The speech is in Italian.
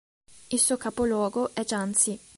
Il suo capoluogo è Jhansi.